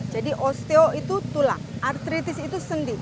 jadi osteo itu tulang artritis itu sendi